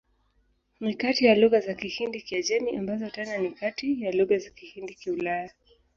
Ni kati ya lugha za Kihindi-Kiajemi, ambazo tena ni kati ya lugha za Kihindi-Kiulaya.